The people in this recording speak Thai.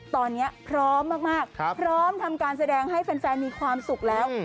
ตอนนี้พร้อมมากพร้อมทำการแสดงให้แฟนมีความสุขแล้ว